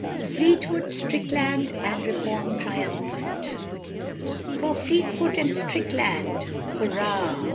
FLEETWOOD, STRICKLAND, AND REFORM TRIUMPHANT. For Fleetwood and Strickland hurrah!